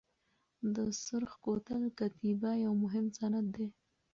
د سرخ کوتل کتیبه یو مهم سند دی.